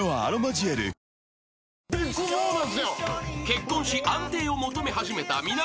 ［結婚し安定を求め始めた南